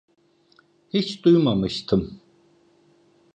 Hiç duymamıştım.